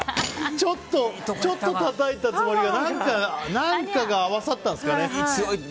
ちょっとたたいたつもりが何かが合わさったんですかね。